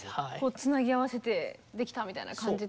つなぎ合わせてできたみたいな感じってことですよね。